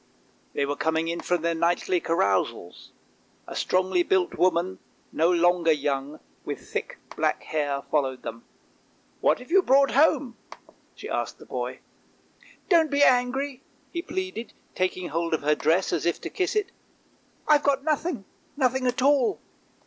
They were coming from their nightly carousals. A strongly built woman, no longer young, with thick black hair, followed them. " What have you brought home? " she asked the boy. " Don't be angry! " he pleaded, taking hold of her dress as if to kiss it. " I've got nothing, nothing at all."